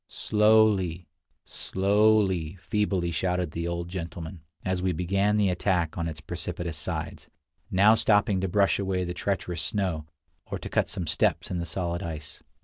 "Slowly, slowly," feebly shouted the old gentleman, as we began the attack on its precipitous sides, now stopping to brush away the treacherous snow, or to cut some steps in the solid ice.